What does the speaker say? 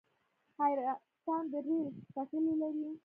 حیرتان د ریل پټلۍ لري